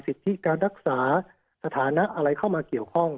สิทธิการรักษาสถานะอะไรเข้ามาเกี่ยวข้อง